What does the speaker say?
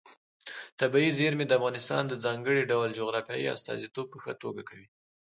طبیعي زیرمې د افغانستان د ځانګړي ډول جغرافیې استازیتوب په ښه توګه کوي.